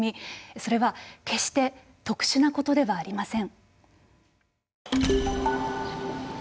それは決して特殊なことではありません。